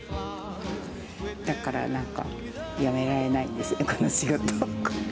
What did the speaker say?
だからなんか、やめられないんですよ、この仕事。